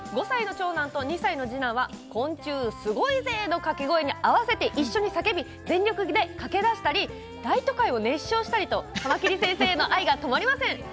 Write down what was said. ５歳の長男と２歳の次男は「昆虫すごいぜ！」の掛け声に合わせて一緒に叫び全力で駆け出したり「大都会」を一緒に熱唱したりとカマキリ先生への愛が止まりません。